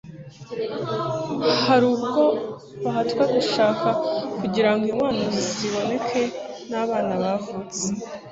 hari ubwo bahatwa gushaka kugirango inkwano ziboneke, n'abana bavuke